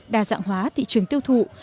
đa dạng hóa thị trường tiêu thụ